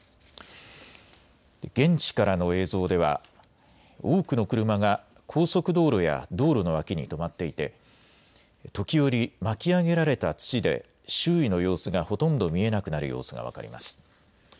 現地からの映像では多くの車が高速道路や道路の脇に止まっていて時折、巻き上げられた土で周囲の様子がほとんど見えなくなる様子が分かります。